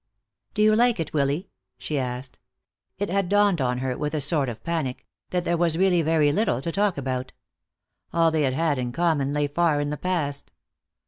"Do you like it, Willy?" she asked. It had dawned on her, with a sort of panic, that there was really very little to talk about. All that they had had in common lay far in the past.